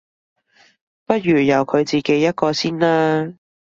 不如由佢自己一個先啦